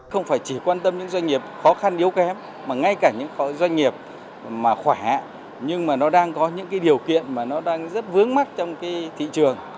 không phải chỉ quan tâm những doanh nghiệp khó khăn yếu kém mà ngay cả những doanh nghiệp khỏe nhưng nó đang có những điều kiện rất vướng mắt trong thị trường